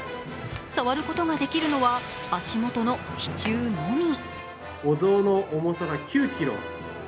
触ることができるのは足元の支柱のみ。